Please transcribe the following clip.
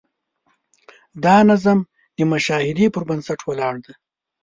دا نظم د مشاهدې پر بنسټ ولاړ دی.